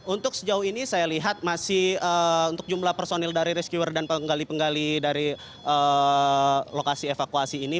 untuk sejauh ini saya lihat masih untuk jumlah personil dari rescuer dan penggali penggali dari lokasi evakuasi ini